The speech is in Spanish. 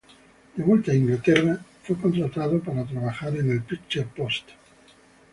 De vuelta a Inglaterra fue contratado para trabajar en el Picture Post.